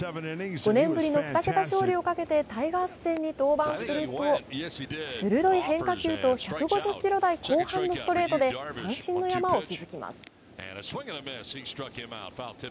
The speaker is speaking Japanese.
５年ぶりの２桁勝利をかけてタイガース戦に登板すると鋭い変化球と１５０ｋキロ台後半のストレートで三振の山を築きます。